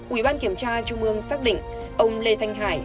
ủy ban kiểm tra trung ương xác định ông lê thanh hải